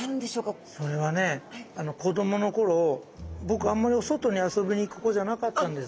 それはね子どもの頃僕あんまりお外に遊びに行く子じゃなかったんです。